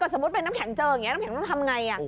ถ้าสมมุติเป็นน้ำแข็งเจอน้ำแข็งต้องทำยังไง